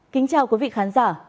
kính chào quý vị khán giả